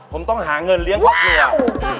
ผมต้องหาเงินเลี้ยงครอบครัว